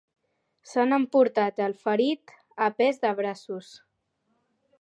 S'han emportat el ferit a pes de braços.